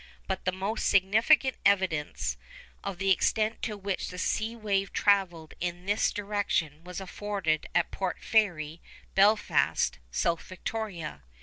But the most significant evidence of the extent to which the sea wave travelled in this direction was afforded at Port Fairy, Belfast, South Victoria.